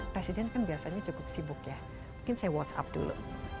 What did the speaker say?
presiden kan biasanya cukup sibuk ya mungkin saya whatsapp dulu